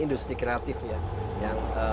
industri kreatif ya yang